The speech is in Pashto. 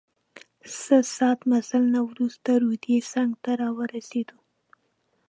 څه ساعت مزل نه وروسته روضې څنګ ته راورسیدو.